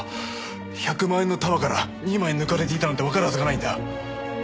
１００万円の束から２枚抜かれていたなんてわかるはずがないんだ。